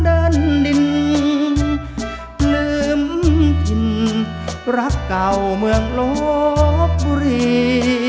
ดินลืมกินรักเก่าเมืองลบบุรี